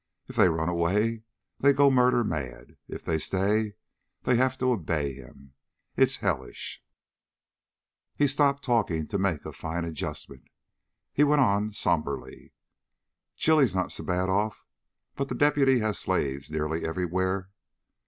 If they run away, they go murder mad. If they stay, they have to obey him. It's hellish!" He stopped talking to make a fine adjustment. He went on, somberly. "Chile's not so bad off, but the deputy has slaves nearly everywhere.